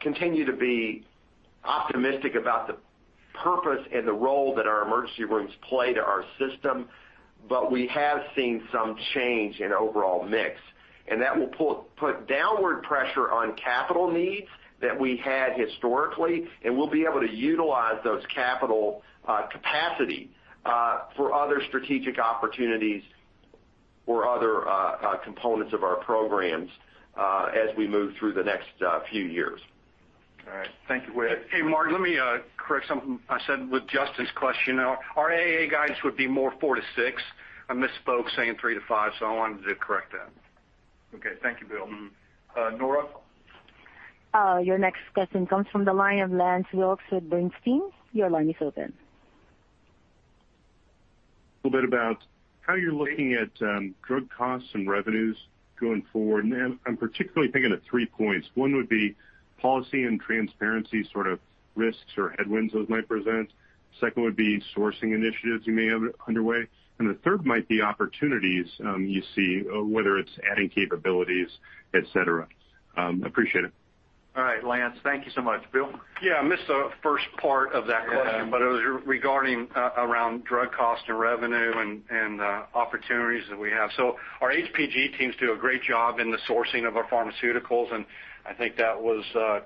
continue to be optimistic about the purpose and the role that our emergency rooms play to our system. We have seen some change in overall mix, and that will put downward pressure on capital needs that we had historically, and we'll be able to utilize those capital capacity for other strategic opportunities or other components of our programs as we move through the next few years. All right. Thank you, Whit. Hey, Whit Mayo, let me correct something I said with Justin's question. Our AA guidance would be more four to six. I misspoke saying three to five, so I wanted to correct that. Okay. Thank you, Bill. Nora? Your next question comes from the line of Lance Wilkes with Bernstein. Your line is open. A little bit about how you're looking at drug costs and revenues going forward. I'm particularly thinking of three points. One would be policy and transparency sort of risks or headwinds those might present. Second would be sourcing initiatives you may have underway, the third might be opportunities you see, whether it's adding capabilities, et cetera. Appreciate it. All right, Lance, thank you so much. Bill? I missed the first part of that question. Yeah It was regarding around drug cost and revenue and opportunities that we have. Our HPG teams do a great job in the sourcing of our pharmaceuticals, and I think that was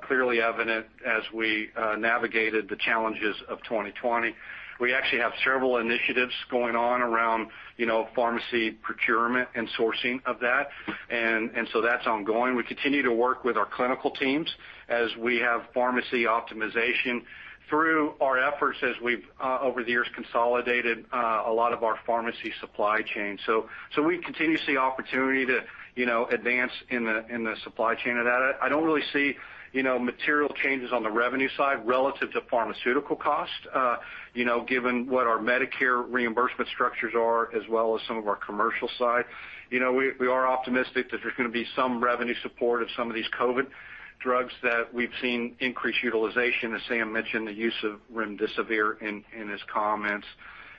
clearly evident as we navigated the challenges of 2020. We actually have several initiatives going on around pharmacy procurement and sourcing of that. That's ongoing. We continue to work with our clinical teams as we have pharmacy optimization through our efforts as we've, over the years, consolidated a lot of our pharmacy supply chain. We continue to see opportunity to advance in the supply chain of that. I don't really see material changes on the revenue side relative to pharmaceutical cost given what our Medicare reimbursement structures are as well as some of our commercial side. We are optimistic that there's going to be some revenue support of some of these COVID drugs that we've seen increased utilization, as Sam mentioned, the use of remdesivir in his comments.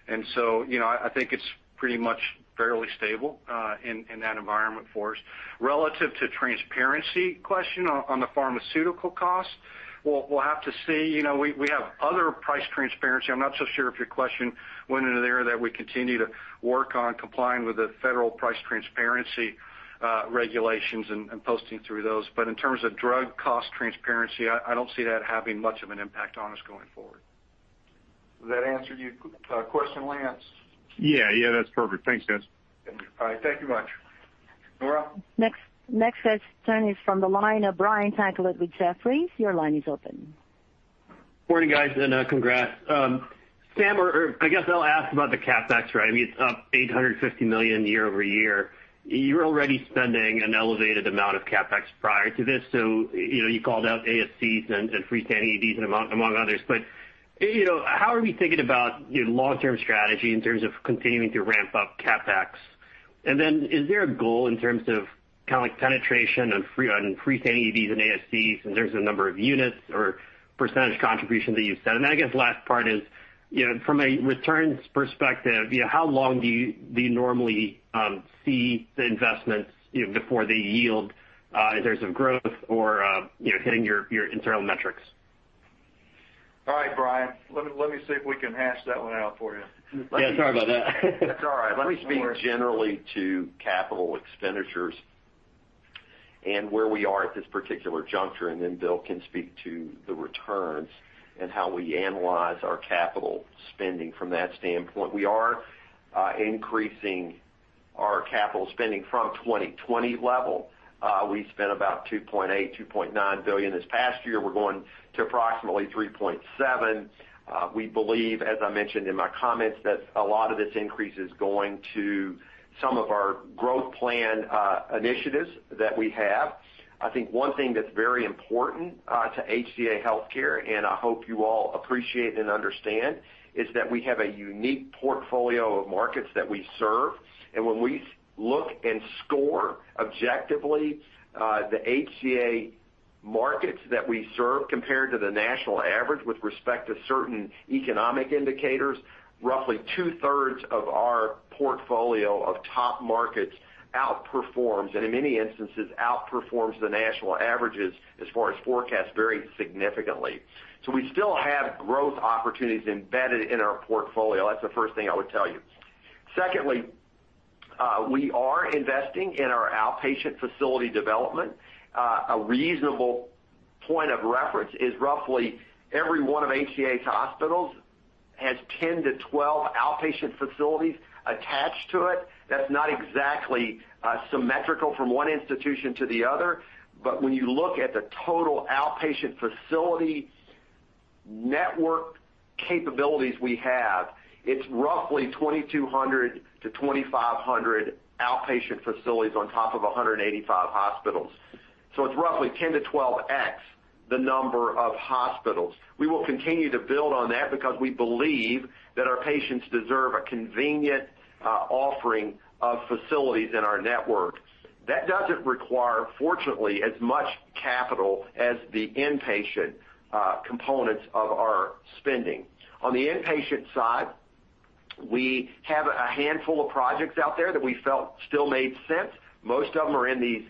I think it's pretty much fairly stable in that environment for us. Relative to transparency question on the pharmaceutical cost, we'll have to see. We have other price transparency. I'm not so sure if your question went into there that we continue to work on complying with the federal price transparency regulations and posting through those. In terms of drug cost transparency, I don't see that having much of an impact on us going forward. Does that answer your question, Lance? Yeah, that's perfect. Thanks, guys. All right. Thank you much. Nora? Next question is from the line of Brian Tanquilut with Jefferies. Your line is open. Morning, guys, and congrats. Sam Hazen, or I guess I'll ask about the CapEx. I mean, it's up $850 million year-over-year. You were already spending an elevated amount of CapEx prior to this. You called out ASCs and freestanding EDs among others. How are we thinking about your long-term strategy in terms of continuing to ramp up CapEx? Is there a goal in terms of kind of like penetration on freestanding EDs and ASCs in terms of number of units or % contribution that you set? I guess last part is, from a returns perspective, how long do you normally see the investments before they yield in terms of growth or hitting your internal metrics? All right, Brian. Let me see if we can hash that one out for you. Yeah, sorry about that. That's all right. Let me speak generally to capital expenditures and where we are at this particular juncture, and then Bill can speak to the returns and how we analyze our capital spending from that standpoint. We are increasing our capital spending from 2020 level. We spent about $2.8 billion, $2.9 billion this past year. We're going to approximately $3.7 billion. We believe, as I mentioned in my comments, that a lot of this increase is going to some of our growth plan initiatives that we have. I think one thing that's very important to HCA Healthcare, and I hope you all appreciate and understand, is that we have a unique portfolio of markets that we serve. When we look and score objectively the HCA markets that we serve compared to the national average with respect to certain economic indicators, roughly two-thirds of our portfolio of top markets outperform, and in many instances, outperforms the national averages as far as forecast vary significantly. We still have growth opportunities embedded in our portfolio. That's the first thing I would tell you. Secondly, we are investing in our outpatient facility development. A reasonable point of reference is roughly every one of HCA's hospitals has 10 to 12 outpatient facilities attached to it. That's not exactly symmetrical from one institution to the other. When you look at the total outpatient facility network capabilities we have, it's roughly 2,200 to 2,500 outpatient facilities on top of 185 hospitals. It's roughly 10 to 12x the number of hospitals. We will continue to build on that because we believe that our patients deserve a convenient offering of facilities in our network. That doesn't require, fortunately, as much capital as the inpatient components of our spending. On the inpatient side, we have a handful of projects out there that we felt still made sense. Most of them are in these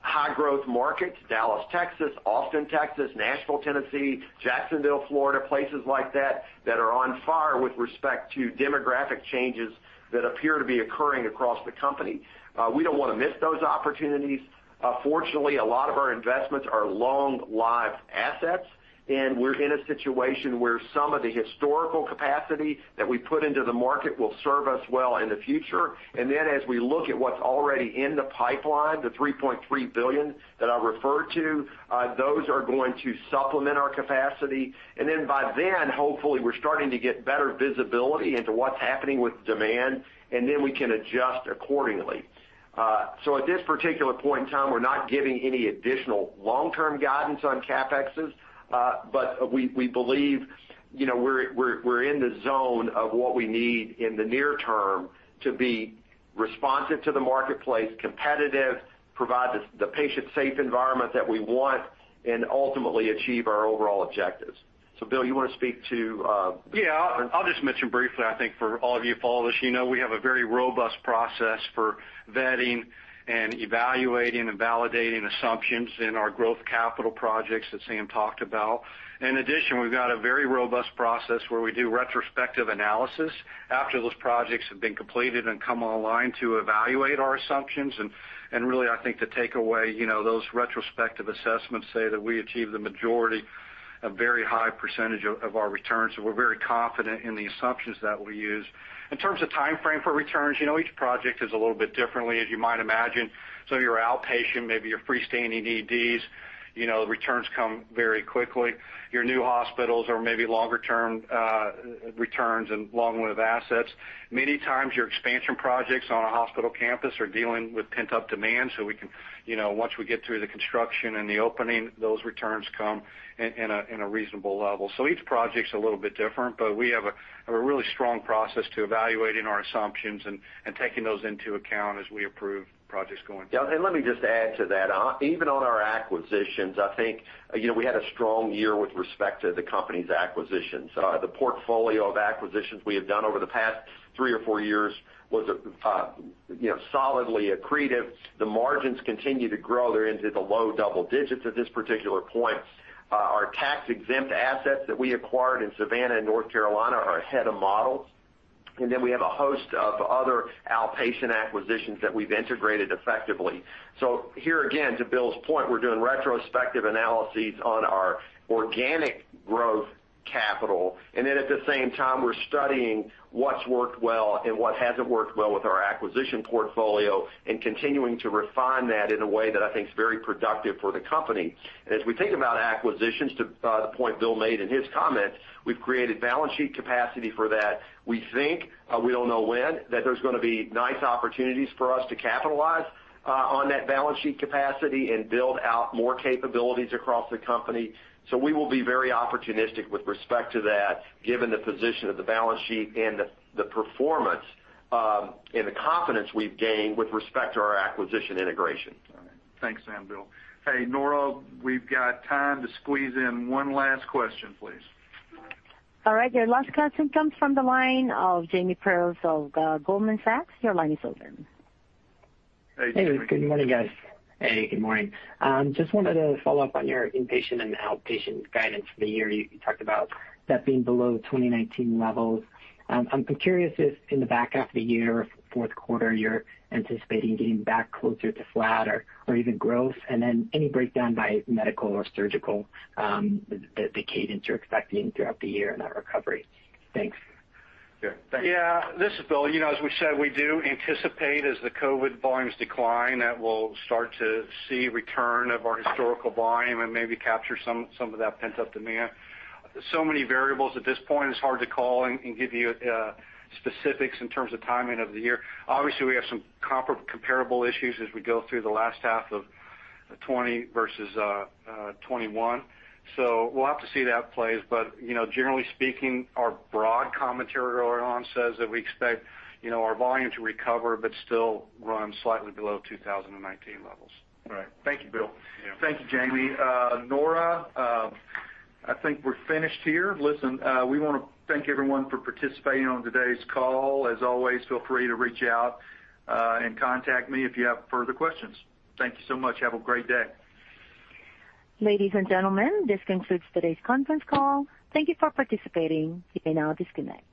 high-growth markets, Dallas, Texas, Austin, Texas, Nashville, Tennessee, Jacksonville, Florida, places like that are on par with respect to demographic changes that appear to be occurring across the company. We don't want to miss those opportunities. Fortunately, a lot of our investments are long-lived assets, and we're in a situation where some of the historical capacity that we put into the market will serve us well in the future. As we look at what's already in the pipeline, the $3.3 billion that I referred to, those are going to supplement our capacity. By then, hopefully, we're starting to get better visibility into what's happening with demand, and then we can adjust accordingly. At this particular point in time, we're not giving any additional long-term guidance on CapEx. We believe we're in the zone of what we need in the near term to be responsive to the marketplace, competitive, provide the patient-safe environment that we want, and ultimately achieve our overall objectives. Bill, you want to speak to. Yeah. I'll just mention briefly, I think for all of you who follow this, you know we have a very robust process for vetting and evaluating, and validating assumptions in our growth capital projects that Sam talked about. In addition, we've got a very robust process where we do retrospective analysis after those projects have been completed and come online to evaluate our assumptions. Really, I think the takeaway, those retrospective assessments say that we achieve the majority, a very high percentage of our returns, so we're very confident in the assumptions that we use. In terms of timeframe for returns, each project is a little bit differently, as you might imagine. Your outpatient, maybe your freestanding EDs, the returns come very quickly. Your new hospitals are maybe longer-term returns and long-lived assets. Many times, your expansion projects on a hospital campus are dealing with pent-up demand, so once we get through the construction and the opening, those returns come in a reasonable level. Each project's a little bit different, but we have a really strong process to evaluating our assumptions and taking those into account as we approve projects going forward. Yeah. Let me just add to that. Even on our acquisitions, I think we had a strong year with respect to the company's acquisitions. The portfolio of acquisitions we have done over the past three or four years was solidly accretive. The margins continue to grow. They're into the low double digits at this particular point. Our tax-exempt assets that we acquired in Savannah and North Carolina are ahead of model. We have a host of other outpatient acquisitions that we've integrated effectively. Here again, to Bill's point, we're doing retrospective analyses on our organic growth capital, and then at the same time, we're studying what's worked well and what hasn't worked well with our acquisition portfolio and continuing to refine that in a way that I think is very productive for the company. As we think about acquisitions, to the point Bill made in his comments, we've created balance sheet capacity for that. We think, we don't know when, that there's going to be nice opportunities for us to capitalize on that balance sheet capacity and build out more capabilities across the company. We will be very opportunistic with respect to that, given the position of the balance sheet and the performance and the confidence we've gained with respect to our acquisition integration. All right. Thanks, Sam and Bill. Hey, Nora, we've got time to squeeze in one last question, please. All right. Your last question comes from the line of Jamie Perse of Goldman Sachs. Your line is open. Hey. Good morning, guys. Hey, good morning. Just wanted to follow up on your inpatient and outpatient guidance for the year. You talked about that being below 2019 levels. I'm curious if in the back half of the year or fourth quarter, you're anticipating getting back closer to flat or even growth? Any breakdown by medical or surgical, the cadence you're expecting throughout the year in that recovery? Thanks. Sure. Thanks. Yeah. This is Bill. As we said, we do anticipate as the COVID volumes decline, that we'll start to see return of our historical volume and maybe capture some of that pent-up demand. Many variables at this point, it's hard to call and give you specifics in terms of timing of the year. Obviously, we have some comparable issues as we go through the last half of 2020 versus 2021. We'll have to see how it plays, but generally speaking, our broad commentary earlier on says that we expect our volume to recover, but still run slightly below 2019 levels. All right. Thank you, Bill. Yeah. Thank you, Jamie. Nora, I think we're finished here. Listen, we want to thank everyone for participating on today's call. As always, feel free to reach out and contact me if you have further questions. Thank you so much. Have a great day. Ladies and gentlemen, this concludes today's conference call. Thank you for participating. You may now disconnect.